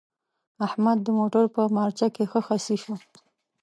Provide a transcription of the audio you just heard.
احمد د موټر په مارچه کې ښه خصي شو.